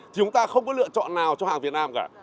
chúng ta không có lựa chọn nào cho hàng việt nam cả